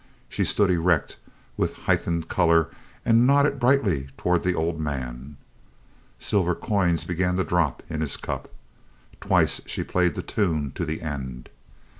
She stood erect, with heightened color, and nodded brightly toward the old man. Silver coins began to drop in his cup. Twice she played the tune to the end.